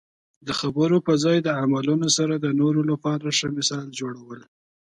د خبرو په ځای د عملونو سره د نورو لپاره ښه مثال جوړول.